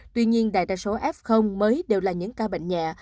tuy nhiên đại đa số f mới đều là những ca bệnh nhẹ